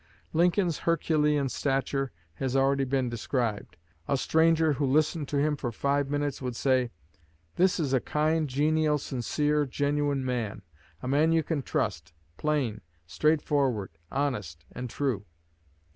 Lincoln's herculean stature has already been described. A stranger who listened to him for five minutes would say: 'This is a kind, genial, sincere, genuine man; a man you can trust, plain, straightforward, honest, and true.'